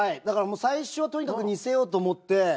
だから最初はとにかく似せようと思って。